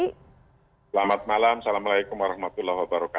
selamat malam assalamualaikum wr wb